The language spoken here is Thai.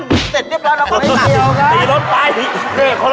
เสร็จเรียบร้อยเราก็ไม่กลับ